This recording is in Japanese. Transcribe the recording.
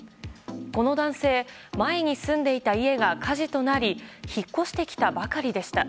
この男性前に住んでいた家が火事となり引っ越してきたばかりでした。